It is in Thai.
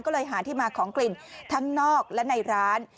ก็เลยหาที่มาของกลิ่นทั้งนอกและในร้าน